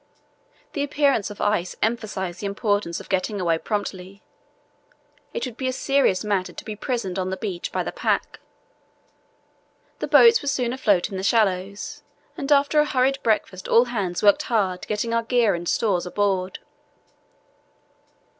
The appearance of ice emphasized the importance of getting away promptly. It would be a serious matter to be prisoned on the beach by the pack. The boats were soon afloat in the shallows, and after a hurried breakfast all hands worked hard getting our gear and stores aboard.